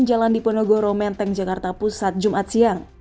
jalan diponegoro menteng jakarta pusat jumat siang